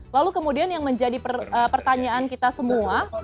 lalu kemudian yang menjadi pertanyaan kita semua